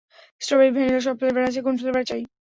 Strawberry, vanilla সব flavour আছে, কোন ফ্লেভার চাই?